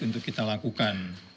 untuk kita lakukan